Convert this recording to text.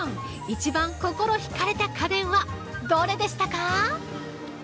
一番、心ひかれた家電はどれでしたか？